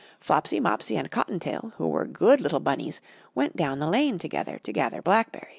Flopsy, Mopsy and Cotton tail who were good little bunnies went down the lane together To gather blackberries.